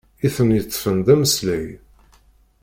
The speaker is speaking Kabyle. I ten-yeṭṭfen d ameslay!